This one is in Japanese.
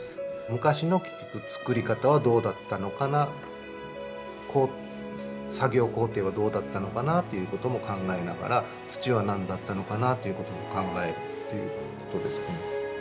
昔の結局つくり方はどうだったのかな作業工程はどうだったのかなということも考えながら土は何だったのかなということも考えるっていうことですかね。